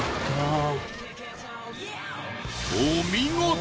お見事！